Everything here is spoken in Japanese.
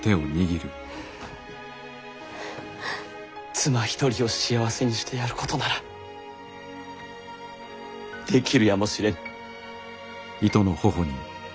妻一人を幸せにしてやることならできるやもしれぬ。